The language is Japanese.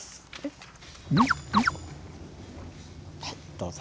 どうぞ。